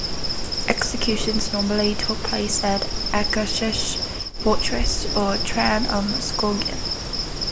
Executions normally took place at Akershus Fortress or Trandumskogen.